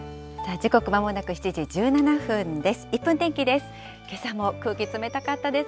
時刻まもなく７時１７分です。